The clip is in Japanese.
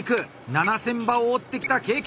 ７，０００羽を折ってきた経験！